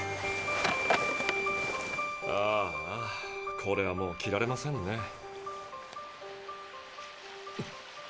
ああこれはもう着られませんね。